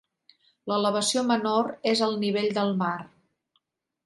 L'elevació menor és al nivell del mar.